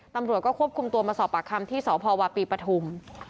ตำรวจก็ควบคุมตัวมาสอบปากคำที่สพวปีปฐุม